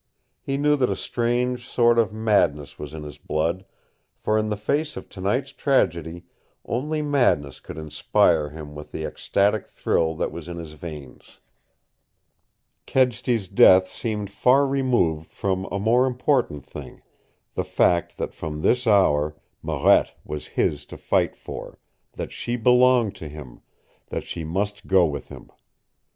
He knew that a strange sort of madness was in his blood, for in the face of tonight's tragedy only madness could inspire him with the ecstatic thrill that was in his veins. Kedsty's death seemed far removed from a more important thing the fact that from this hour Marette was his to fight for, that she belonged to him, that she must go with him.